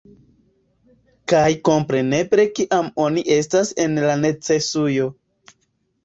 Kaj kompreneble kiam oni estas en la necesujo